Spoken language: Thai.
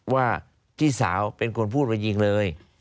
ว่าพี่สาวเป็นคนพูดมายิงเลย